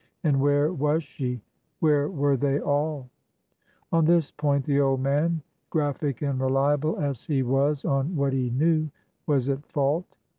And where was she ? Where were they all ? On this point the old man, graphic and reliable as he was on what he knew, was at fault.